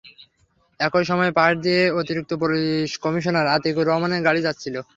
একই সময়ে পাশ দিয়ে অতিরিক্ত পুলিশ কমিশনার আতিকুর রহমানের গাড়ি যাচ্ছিল।